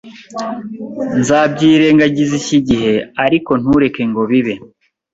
Nzabyirengagiza iki gihe, ariko ntureke ngo bibe.